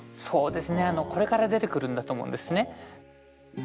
そうですねこれから出てくるんだと思うんですね。